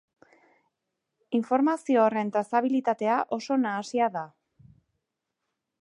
Informazio horren trazabilitatea oso nahasia da.